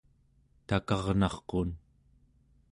takarnarqun